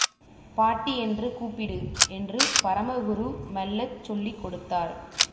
பாட்டி என்று கூப்பிடு! என்று பரமகுரு மெல்லச் சொல்லிக் கொடுத்தார்.